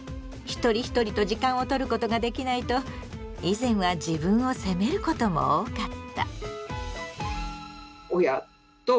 一人一人と時間を取ることができないと以前は自分を責めることも多かった。